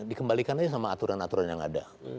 dikembalikan aja sama aturan aturan yang ada